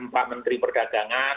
pak menteri perdagangan